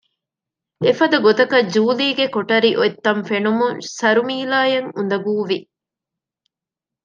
އެފަދަ ގޮތަކަށް ޖޫލީގެ ކޮޓަރި އޮތްތަން ފެނުމުން ސަރުމީލާއަށް އުނދަގޫވި